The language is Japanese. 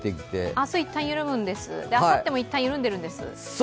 明日いったん緩むんです、あさってもいったん緩んでるんです。